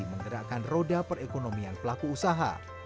menggerakkan roda perekonomian pelaku usaha